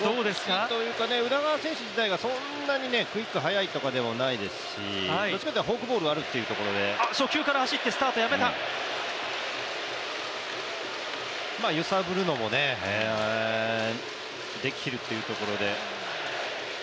動きというか、宇田川選手がクイック速いとかでもないですし、どっちかというとフォークボールがあるっていうところで揺さぶるのもねできるっていうところで。